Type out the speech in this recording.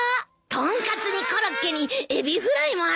トンカツにコロッケにエビフライもあるぞ。